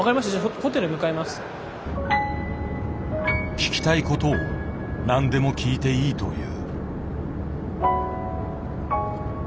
聞きたいことを何でも聞いていいという。